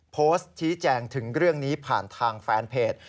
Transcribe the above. โพสต์ชี้แจงถึงเรื่องนี้ผ่านทางแฟนเพจ